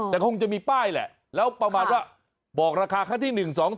แต่คงจะมีป้ายแหละแล้วประมาณว่าบอกราคาขั้นที่๑๒๐